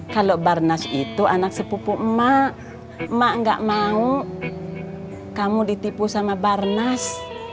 kalau barnas itu anak sepupu emak emak gak mau kamu ditipu sama barnas